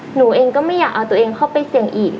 หนูเองก็ไม่อยากเอาตัวเองเข้าไปเสี่ยงอีก